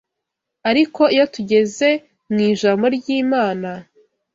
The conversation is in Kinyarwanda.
Ariko iyo tugeze mu ijambo ry’Imana